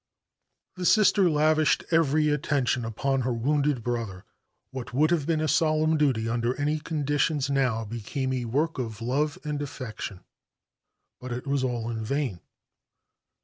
The Sister lavished every attention upon her wounded brother. What would have been a solemn duty under any conditions now became a work of love and affection. But it was all in vain.